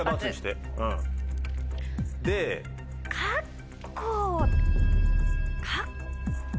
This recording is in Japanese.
カッコウ。